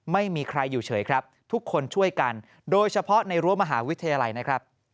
ไม่มีใครอยู่เฉยครับทุกคนช่วยกันโดยเฉพาะในรั้วมหาวิทยาลัยนะครับ